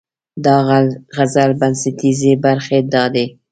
د غزل بنسټیزې برخې دا دي: